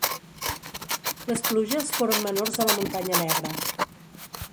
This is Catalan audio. Les pluges foren menors a la Muntanya Negra.